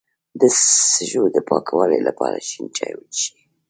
د سږو د پاکوالي لپاره شین چای وڅښئ